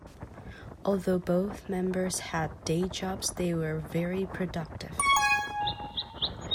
Although both members had day jobs they were very productive.